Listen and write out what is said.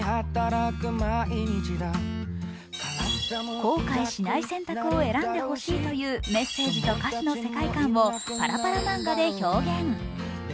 「後悔しない選択を選んで欲しい」というメッセージと歌詞の世界観をパラパラ漫画で表現。